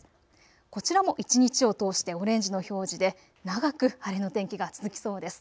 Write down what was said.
こちらも一日を通してオレンジの表示で長く晴れの天気が続きそうです。